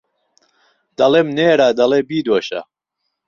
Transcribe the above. دەڵێم نێرە دەڵێ بیدۆشە